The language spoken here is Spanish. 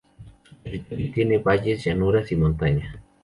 Su territorio tiene valles, llanuras y montaña.